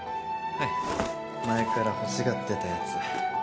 はい前から欲しがってたやつ